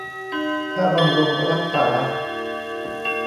ค่าบำรุงรักษา